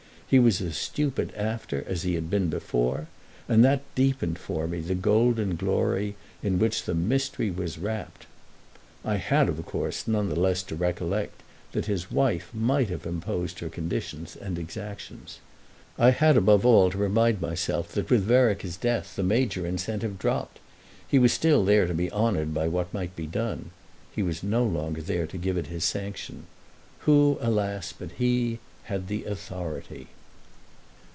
He was as stupid after as he had been before, and that deepened for me the golden glory in which the mystery was wrapped. I had of course none the less to recollect that his wife might have imposed her conditions and exactions. I had above all to remind myself that with Vereker's death the major incentive dropped. He was still there to be honoured by what might be done—he was no longer there to give it his sanction. Who alas but he had the authority?